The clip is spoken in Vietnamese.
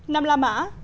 năm la mã